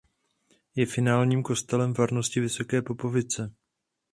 Je filiálním kostelem farnosti Vysoké Popovice.